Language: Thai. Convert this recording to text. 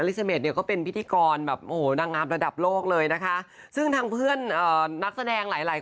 แล้วเขาก็ไม่ตื่นมาอีกเลย